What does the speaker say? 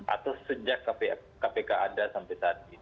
atau sejak kpk ada sampai saat ini